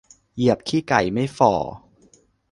เหยียบขี้ไก่ไม่ฝ่อ